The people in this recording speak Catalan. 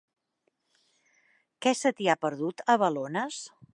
Què se t'hi ha perdut, a Balones?